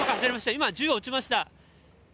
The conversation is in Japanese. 今、銃を撃ちました。